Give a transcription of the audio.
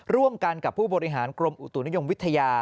ร่วมกันกับผู้บริหารกรมอุตุนิยมวิทยา